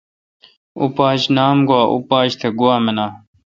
اوں پاچ نام گوا۔۔۔۔۔اوں پاچ تہ گوا منان